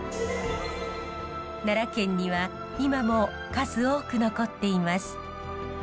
奈良県には今も数多く残っています。